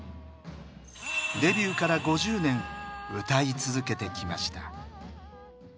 デビューから５０年歌い続けてきました。